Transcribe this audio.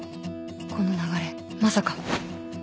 この流れまさか